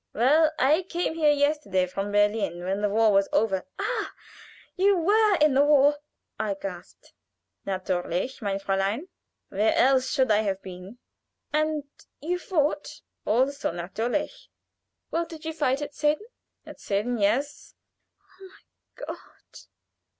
"Well I came here yesterday from Berlin. When the war was over " "Ah, you were in the war?" I gasped. "Natürlich, mein Fräulein. Where else should I have been?" "And you fought?" "Also natürlich." "Where did you fight? At Sedan?" "At Sedan yes." "Oh, my God!"